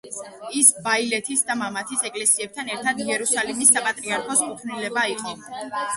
ის ბაილეთის და მამათის ეკლესიებთან ერთად იერუსალიმის საპატრიარქოს კუთვნილება იყო.